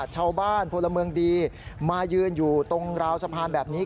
ชาวบ้านพลเมืองดีมายืนอยู่ตรงราวสะพานแบบนี้